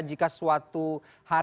jika suatu hari nanti begitu suatu saat